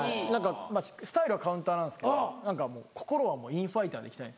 スタイルはカウンターなんですけど心はインファイターで行きたい。